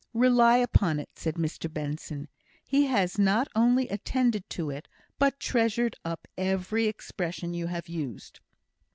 "Rely upon it," said Mr Benson, "he has not only attended to it, but treasured up every expression you have used."